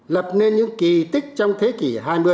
lập nên những kỳ tích trong thế kỷ hai mươi